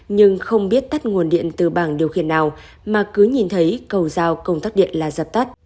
nhưng không biết tắt nguồn điện từ bảng điều khiển nào mà cứ nhìn thấy cầu giao công tác điện là dập tắt